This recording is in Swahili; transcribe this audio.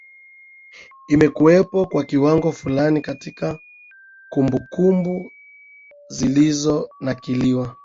imekuwepo kwa kiwango fulani katika kumbukumbu zilizonakiliwa